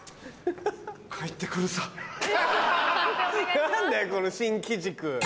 何だよこの新機軸。